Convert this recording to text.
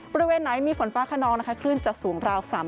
บริเวณไหนมีฝนฟ้าขนองขึ้นจะสูงราว๓เมตร